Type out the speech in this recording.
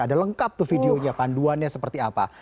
ada lengkap tuh videonya panduannya seperti apa